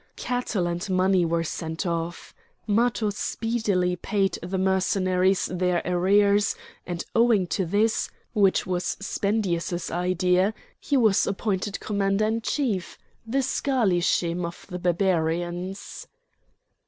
Cattle and money were sent off. Matho speedily paid the Mercenaries their arrears, and owing to this, which was Spendius's idea, he was appointed commander in chief—the schalishim of the Barbarians.